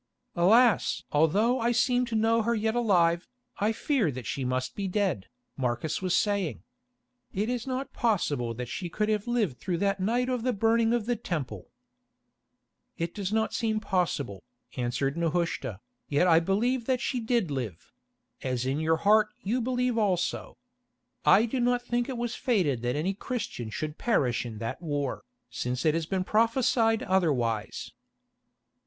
"Alas! although I seem to know her yet alive, I fear that she must be dead," Marcus was saying. "It is not possible that she could have lived through that night of the burning of the Temple." "It does not seem possible," answered Nehushta, "yet I believe that she did live—as in your heart you believe also. I do not think it was fated that any Christian should perish in that war, since it has been prophesied otherwise."